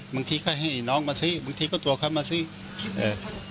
บางทีก็เฮ้ยน้องมาซื้อบางทีก็ตัวขับมาซื้อ